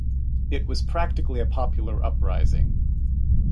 It was practically a popular uprising.